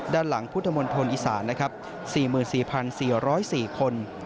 ด้านหลังพุทธมนตร์พลอีสาน๔๔๔๐๔คน